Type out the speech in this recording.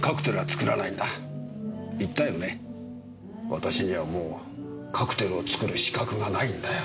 私にはもうカクテルを作る資格がないんだよ。